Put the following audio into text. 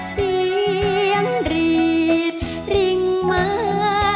เสียงรีดริ่งมา